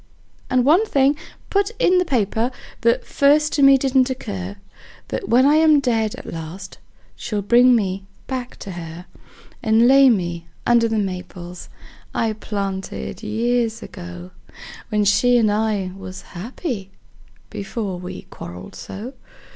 And one thing put in the paper, that first to me didn't occur: That when I am dead at last she'll bring me back to her; And lay me under the maples I planted years ago, When she and I was happy before we quarreled so.